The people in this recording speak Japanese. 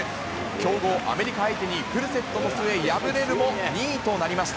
強豪アメリカ相手に、フルセットの末、敗れるも、２位となりまし